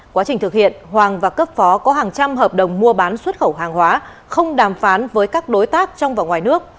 quá trình thực hiện hoàng và cấp phó có hàng trăm hợp đồng mua bán xuất khẩu hàng hóa không đàm phán với các đối tác trong và ngoài nước